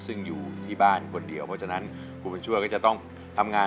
ซึ่งอยู่ที่บ้านคนเดียวเพราะฉะนั้นคุณบุญช่วยก็จะต้องทำงาน